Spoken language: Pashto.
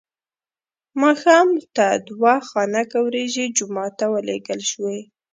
ماښام ته دوه خانکه وریجې جومات ته ولېږل شوې.